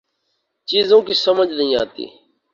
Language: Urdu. چیزوں کی سمجھ نہیں آتی